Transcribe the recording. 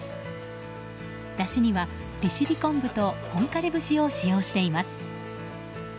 だしには、利尻昆布と本枯節を使用しています。